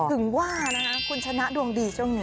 ถึงว่านะคะคุณชนะดวงดีช่วงนี้